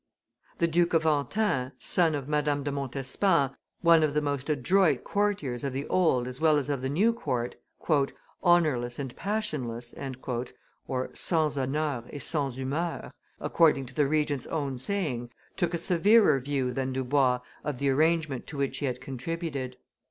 The Duke of Antin, son of Madame de Montespan, one of the most adroit courtiers of the old as well as of the new court, "honorless and passionless" (sans honneur et sans humeur), according to the Regent's own saying, took a severer view than Dubois of the arrangement to which he had contributed.